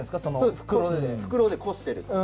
そうです袋でこしてる。